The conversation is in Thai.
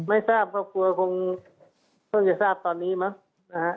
ไม่ทราบครอบครัวคงเพิ่งจะทราบตอนนี้มั้งนะฮะ